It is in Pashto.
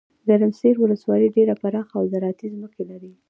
ګرمسیرولسوالۍ ډیره پراخه اوزراعتي ځمکي لري.